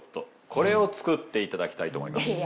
これを作っていただきたいと思います。